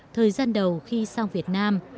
thời gian đầu khi sang việt nam